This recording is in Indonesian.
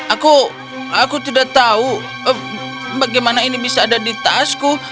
aku aku tidak tahu bagaimana ini bisa ada di tasku